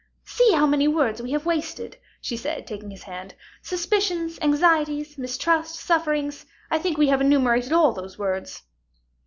"See how many words we have wasted," she said, taking his hand, "suspicions, anxieties, mistrust, sufferings I think we have enumerated all those words."